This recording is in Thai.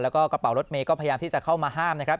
แล้วก็กระเป๋ารถเมย์ก็พยายามที่จะเข้ามาห้ามนะครับ